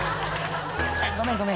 「ごめんごめん